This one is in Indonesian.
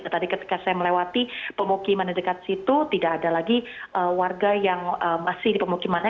tadi ketika saya melewati pemukiman di dekat situ tidak ada lagi warga yang masih di pemukimannya